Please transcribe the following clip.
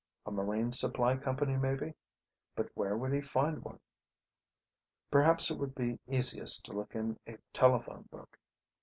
A marine supply company, maybe. But where would he find one? Perhaps it would be easiest to look in a telephone book.